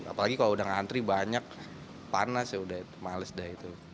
apalagi kalau udah ngantri banyak panas ya udah males deh itu